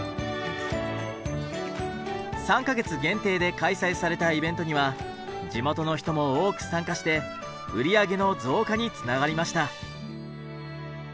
３か月限定で開催されたイベントには地元の人も多く参加して売り上げの増加につながりました。